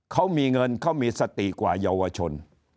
เขามีเงินเขามีสติกว่าเยาวชน